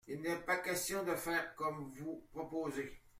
Il n’est pas question de faire comme vous proposez.